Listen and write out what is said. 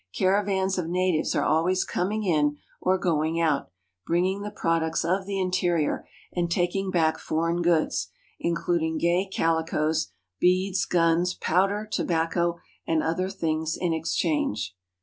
Caravans of natives are always coming in or going out, bringing the prod ucts of the interior, and taking back foreign goods, includ ing gay calicoes, beads, guns, powder, tobacco, and other things in exchange.